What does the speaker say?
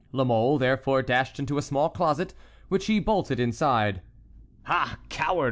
La Mole, therefore, dashed into a small closet, which he bolted inside. "Ah, coward!"